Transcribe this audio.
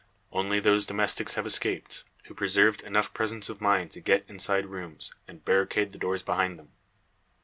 Only those domestics have escaped, who preserved enough presence of mind to get inside rooms, and barricade the doors behind them.